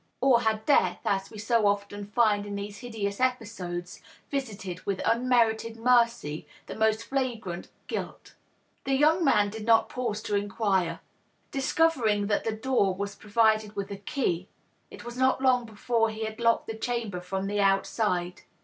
Or had deatli, as we so often find in these nideous episodes, visited with unmerited mercy the most flagrant guilt? The young man did not pause to inquire. Discov^ng that the door was provided with a key, it was not long before he had locked the chamber from the outside.